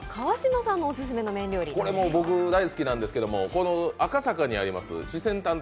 僕大好きなんですけど、赤坂にあります四川坦々